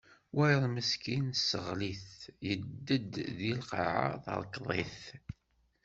Wayeḍ meskin tesseɣli-t, yedded di lqaɛa, terkeḍ-it.